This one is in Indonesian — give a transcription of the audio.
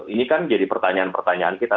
ini kan jadi pertanyaan pertanyaan kita